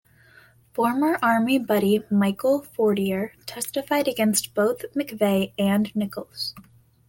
Former army buddy Michael Fortier testified against both McVeigh and Nichols.